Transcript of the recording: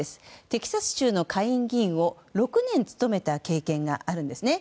テキサス州の下院議員を６年務めた経験があるんですね。